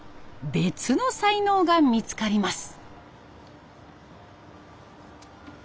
別の才能が見つかります。